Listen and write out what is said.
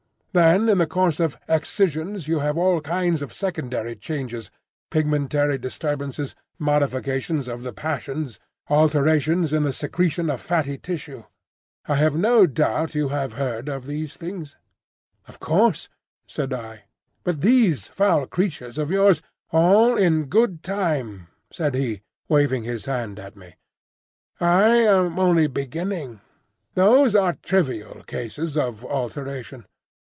Then in the case of excisions you have all kinds of secondary changes, pigmentary disturbances, modifications of the passions, alterations in the secretion of fatty tissue. I have no doubt you have heard of these things?" "Of course," said I. "But these foul creatures of yours—" "All in good time," said he, waving his hand at me; "I am only beginning. Those are trivial cases of alteration.